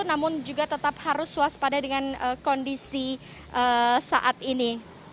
namun juga tetap harus waspada dengan kondisi saat ini